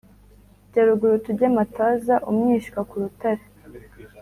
Jya ruguru tujye mataza.-Umwishywa ku rutare.